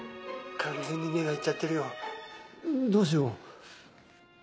完全に目がイッちゃってるよどうしよう。